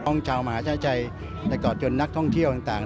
ห้องชาวมหาชัยแต่ก่อนจนนักท่องเที่ยวต่าง